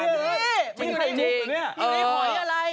นี่มันในหอยอะไร